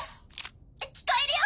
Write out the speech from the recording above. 聞こえるよ